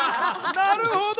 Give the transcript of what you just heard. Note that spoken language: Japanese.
なるほど。